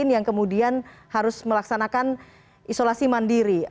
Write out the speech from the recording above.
yang kemudian harus melaksanakan isolasi mandiri